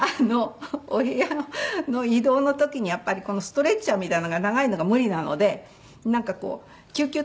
お部屋の移動の時にストレッチャーみたいなのが長いのが無理なのでなんかこう救急隊２人男性。